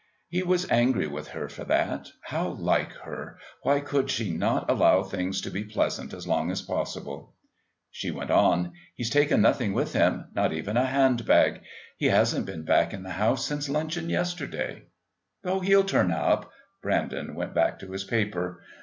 He was angry with her for that. How like her! Why could she not allow things to be pleasant as long as possible? She went on: "He's taken nothing with him. Not even a hand bag. He hasn't been back in the house since luncheon yesterday." "Oh! he'll turn up!" Brandon went back to his paper.